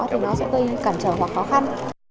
thì nó sẽ gây cản trở hoặc khó khăn